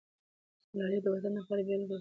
ملالۍ د وطن دپاره بېلګه سوه.